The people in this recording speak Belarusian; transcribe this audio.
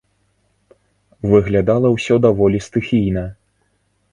Выглядала ўсё даволі стыхійна.